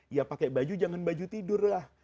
ya pakai baju jangan baju tidurlah